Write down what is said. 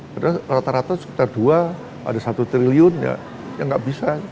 padahal rata rata sekitar dua ada satu triliun ya yang nggak bisa